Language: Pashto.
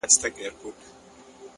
خوښي په ساده شیانو کې ده.